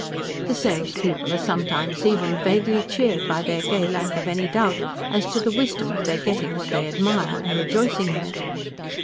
The sales people are sometimes even vaguely cheered by their gay lack of any doubt as to the wisdom of their getting what they admire, and rejoicing in it.